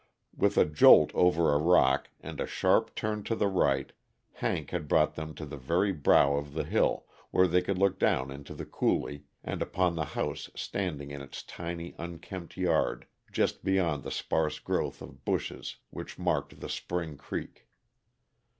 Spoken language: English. With a jolt over a rock, and a sharp turn to the right, Hank had brought them to the very brow of the hill, where they could look down into the coulee, and upon the house standing in its tiny, unkempt yard, just beyond the sparse growth of bushes which marked the spring creek.